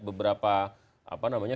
beberapa apa namanya